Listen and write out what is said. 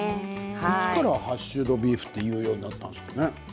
いつからハッシュドビーフと言うようになったんですかね。